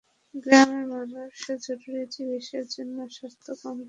গ্রামের মানুষ জরুরি চিকিৎসার জন্য স্বাস্থ্য কমপ্লেক্সে পৌঁছাতে যানবাহন নিয়ে নানা সমস্যায় পড়ে।